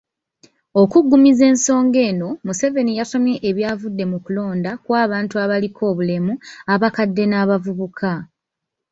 Okuggumiza ensonga eno, Museveni yasomye ebyavudde mu kulonda kw’abantu abaliko obulemu, abakadde n’abavubuka.